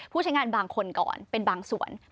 ใช้งานบางคนก่อนเป็นบางส่วน